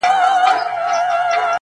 خداى دي كړي خير ياره څه سوي نه وي~